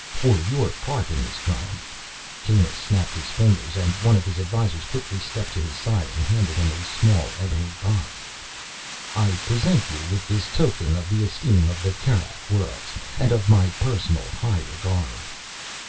For your part in this triumph"—Kanus snapped his fingers, and one of his advisors quickly stepped to his side and handed him a small ebony box—"I present you with this token of the esteem of the Kerak Worlds, and of my personal high regard."